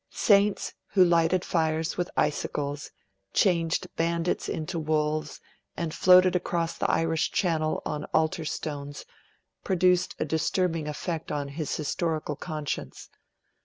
Saints who lighted fires with icicles, changed bandits into wolves, and floated across the Irish Channel on altar stones, produced a disturbing effect on his historical conscience.